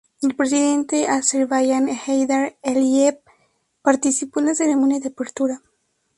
El Presidente de Azerbaiyán, Heydər Əliyev participó en la ceremonia de apertura.